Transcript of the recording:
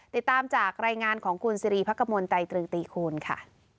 ติดตามจากรายงานของกูลซีรีย์พักกะมนตร์ไตรือตีคูณค่ะ